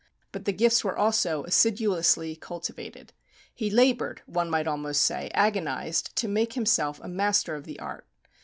But the gifts were also assiduously cultivated. He laboured, one might almost say, agonized, to make himself a master of the art.